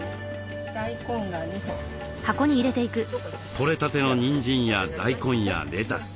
取れたてのにんじんや大根やレタス。